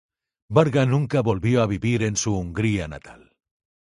Varga nunca volvió a vivir en su Hungría natal.